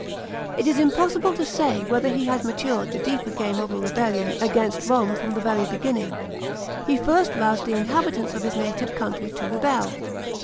It is impossible to say whether he had matured the deeper game of a rebellion against Rome from the very beginning. He first roused the inhabitants of his native country to rebel.